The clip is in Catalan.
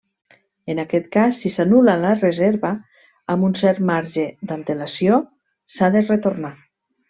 En aquest cas, si s'anul·la la reserva amb un cert marge d'antelació, s'ha de retornar.